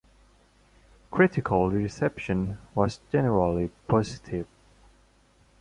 Critical reception was generally positive.